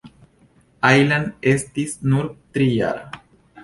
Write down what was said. Ajlan estis nur trijara.